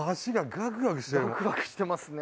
ガクガクしてますね。